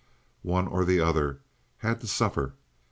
One or other had to suffer.